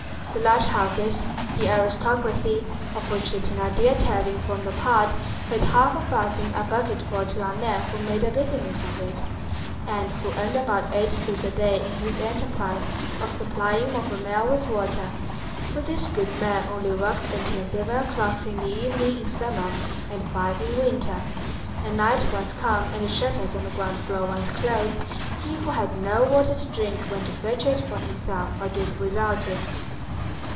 The large houses, the aristocracy, of which the Thénardier tavern formed a part, paid half a farthing a bucketful to a man who made a business of it, and who earned about eight sous a day in his enterprise of supplying Montfermeil with water; but this good man only worked until seven o'clock in the evening in summer, and five in winter; and night once come and the shutters on the ground floor once closed, he who had no water to drink went to fetch it for himself or did without it.